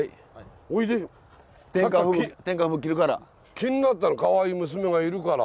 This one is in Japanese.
気になってたのかわいい娘がいるから。